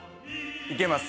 いけます。